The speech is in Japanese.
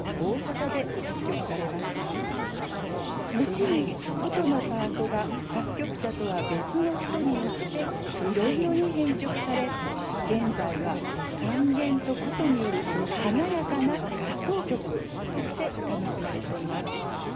後に箏のパートが作曲者とは別の人によっていろいろに編曲され現在は三絃と箏による華やかな合奏曲として楽しまれています。